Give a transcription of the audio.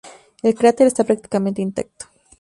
El cráter está prácticamente intacto.